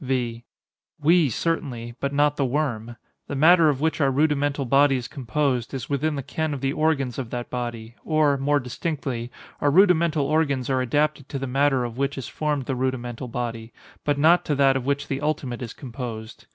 V. We, certainly—but not the worm. The matter of which our rudimental body is composed, is within the ken of the organs of that body; or, more distinctly, our rudimental organs are adapted to the matter of which is formed the rudimental body; but not to that of which the ultimate is composed.